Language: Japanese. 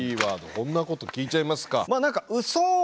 こんなこと聞いちゃいますか？